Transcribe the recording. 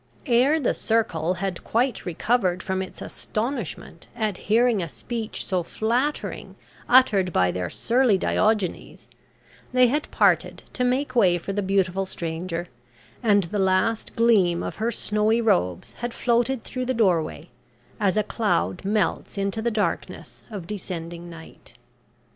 Ere the circle had quite recovered from its astonishment at hearing a speech so flattering uttered by their surly Diogenes, they had parted to make way for the beautiful stranger, and the last gleam of her snowy robes had floated through the doorway, as a cloud melts into the darkness of descending night.